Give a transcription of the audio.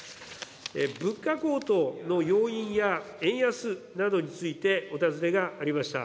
物価高騰の要因や円安などについてお尋ねがありました。